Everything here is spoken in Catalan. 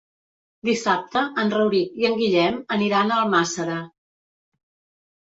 Dissabte en Rauric i en Guillem aniran a Almàssera.